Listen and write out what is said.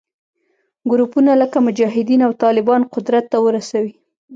ګروپونه لکه مجاهدین او طالبان قدرت ته ورسوي